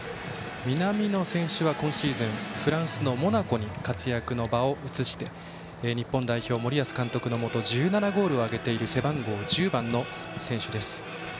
南野選手は今シーズンフランスのモナコに活躍の場所を移して日本代表、森保監督のもとで１７ゴールを挙げている背番号１０番の選手です。